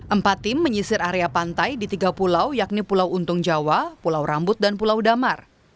empat tim menyisir area pantai di tiga pulau yakni pulau untung jawa pulau rambut dan pulau damar